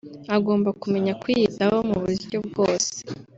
agomba kumenya kwiyitaho mu buryo bwose